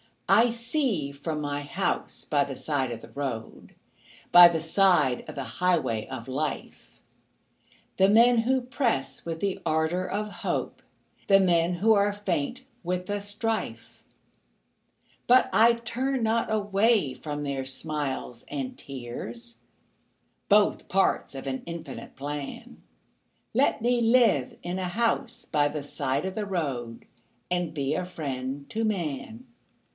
I see from my house by the side of the road By the side of the highway of life, The men who press with the ardor of hope, The men who are faint with the strife, But I turn not away from their smiles and tears, Both parts of an infinite plan Let me live in a house by the side of the road And be a friend to man.